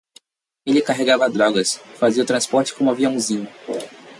Ele carregava drogas, fazia o transporte como aviãozinho